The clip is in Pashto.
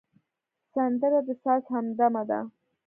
سندره د ساز همدمه ده